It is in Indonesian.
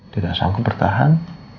tidak sanggup bertahan